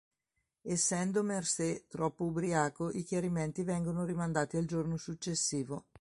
Essendo Mercer troppo ubriaco, i chiarimenti vengono rimandati al giorno successivo.